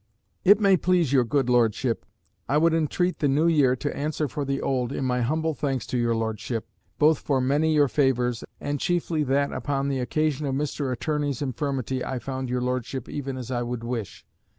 "IT MAY PLEASE YOUR GOOD LORDSHIP, I would entreat the new year to answer for the old, in my humble thanks to your Lordship, both for many your favours, and chiefly that upon the occasion of Mr. Attorney's infirmity I found your Lordship even as I would wish.